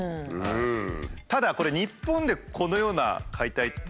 ただこれ日本でこのような解体って。